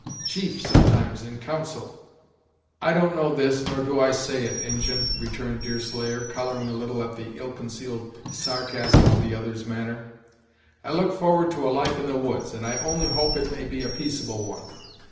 Chief, sometimes, in council." "I don't know this, nor do I say it, Injin," returned Deerslayer, coloring a little at the ill concealed sarcasm of the other's manner; "I look forward to a life in the woods, and I only hope it may be a peaceable one.